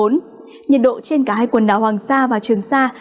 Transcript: nhiệt độ trên cả hai quần đảo hoàng sa và trường sa